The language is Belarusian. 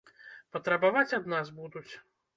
Патрабаваць ад нас будуць.